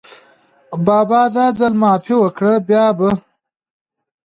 بابا دا ځل معافي وکړه، بیا به …